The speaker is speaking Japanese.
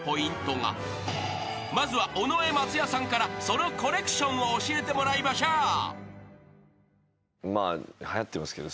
［まずは尾上松也さんからそのコレクションを教えてもらいましょう］はやってますけど。